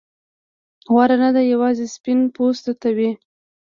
غوره دندې یوازې سپین پوستو ته وې.